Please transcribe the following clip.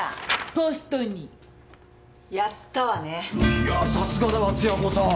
いやぁさすがだわつや子さん。